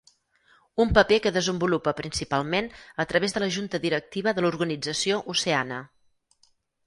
Un paper que desenvolupa principalment a través de la junta directiva de l'organització Oceana.